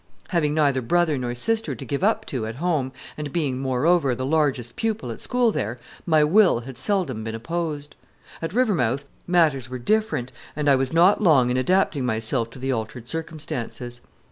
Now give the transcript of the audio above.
Having neither brother nor sister to give up to at home, and being, moreover, the largest pupil at school there, my will had seldom been opposed. At Rivermouth matters were different, and I was not long in adapting myself to the altered circumstances.